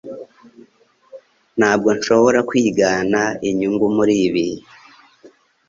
Ntabwo nshobora kwigana inyungu muri ibi